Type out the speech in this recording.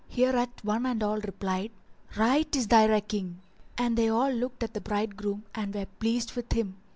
Hereat one and all replied, "Right is thy recking;" and they all looked at the bridegroom and were pleased with him.